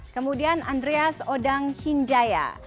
kemudian andreas odang hinjaya